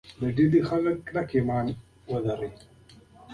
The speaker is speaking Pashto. د ډلې افراد کلک ایمان ولري.